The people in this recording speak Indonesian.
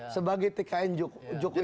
sebagai tkn jokowi baru